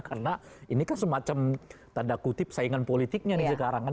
karena ini kan semacam tanda kutip saingan politiknya nih sekarang